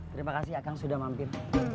terima kasih akang sudah mampir